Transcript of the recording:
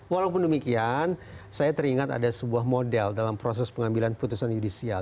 walaupun demikian saya teringat ada sebuah model dalam proses pengambilan putusan yudisial